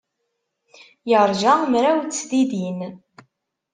Yeṛja mraw n tesdidin.